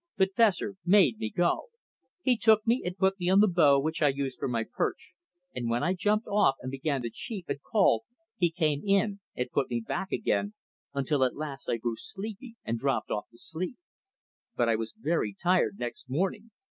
But Fessor made me go. He took me and put me on the bough which I used for my perch, and when I jumped off and began to cheep and call he came in and put me back again; until at last I grew sleepy and dropped off to sleep. But I was very tired next morning.